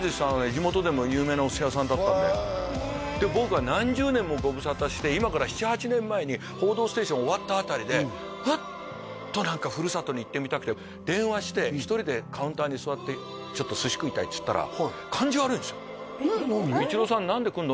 地元でも有名なお寿司屋さんだったんでで僕は何十年もご無沙汰して今から７８年前に「報道ステーション」終わった辺りでふっと何か電話して１人でカウンターに座ってちょっと寿司食いたいっつったら伊知郎さん何で来るの？